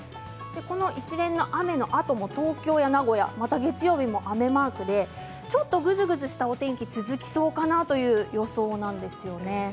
この一連の雨のあとも東京や名古屋、また月曜日も雨マークでちょっとぐずぐずしたお天気が続きそうかなという予想なんですよね。